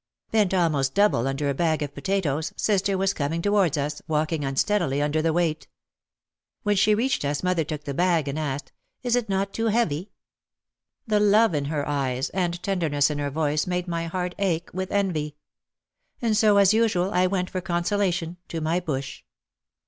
Bent almost double under a bag of potatoes, sister was coming towards us, walking unsteadily under the weight. When she reached us mother took the bag and asked, "Is it not too heavy?" The love in her eyes, and tenderness in her voice made my heart ache with envy. And so as usual I went for consolation to my bush.